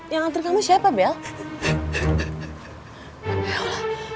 yang antar kamu siapa bell